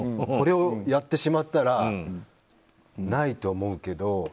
これをやってしまったらないと思うけど。